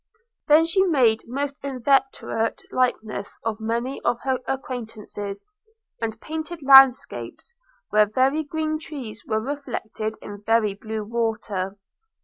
Then she made most inveterate likenesses of many of her acquaintance; and painted landscapes, where very green trees were reflected in very blue water.